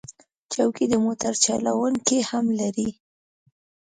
چوکۍ د موټر چلونکي هم لري.